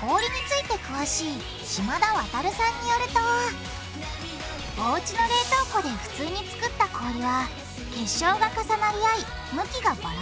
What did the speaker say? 氷について詳しい島田亙さんによるとおうちの冷凍庫でふつうに作った氷は結晶が重なり合い向きがバラバラ。